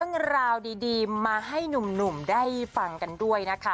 เรื่องราวดีมาให้หนุ่มได้ฟังกันด้วยนะคะ